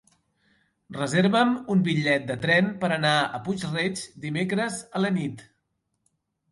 Reserva'm un bitllet de tren per anar a Puig-reig dimecres a la nit.